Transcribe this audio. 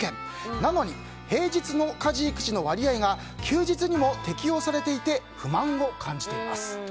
なのに平日の家事・育児の割合が休日にも適用されていて不満を感じます。